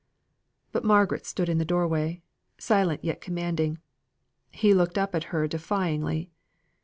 But Margaret stood in the doorway, silent yet commanding. He looked up at her defyingly.